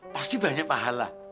pasti banyak pahala